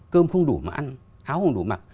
cơm không đủ mà ăn áo không đủ mặc